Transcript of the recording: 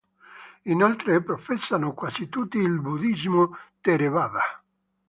Inoltre professano quasi tutti il Buddhismo Theravada.